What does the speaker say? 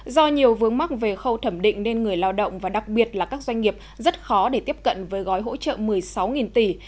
do nhiều vướng mắc về khâu thẩm định nên người lao động và đặc biệt là các doanh nghiệp rất khó để tiếp cận với gói hỗ trợ một mươi sáu tỷ